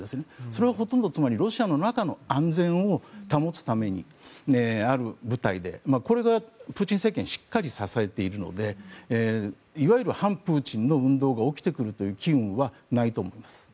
それはほとんどロシアの中の安全を保つためにある部隊でこれがプーチン政権をしっかり支えているのでいわゆる反プーチンの運動が起きてくるという機運はないと思います。